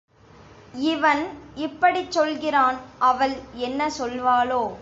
இவன் இப்படிச் சொல்கிறான் அவள் என்ன சொல்வாளோ?